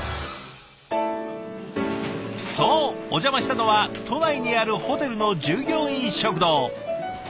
そうお邪魔したのは都内にあるホテルの従業員食堂。